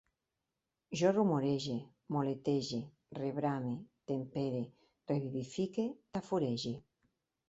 Jo rumorege, moletege, rebrame, tempere, revivifique, tafurege